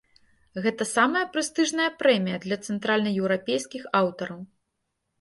Гэта самая прэстыжная прэмія для цэнтральнаеўрапейскіх аўтараў.